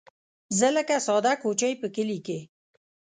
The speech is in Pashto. زه لکه ساده کوچۍ په کلي کې